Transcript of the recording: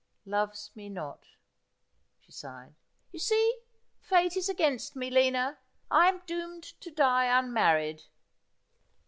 ' Loves me not,' she sighed. ' You see, Fate is against me, Lina. I am doomed to die unmarried.'